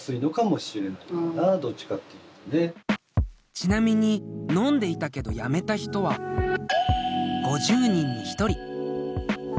ちなみに飲んでいたけどやめた人は５０人に１人。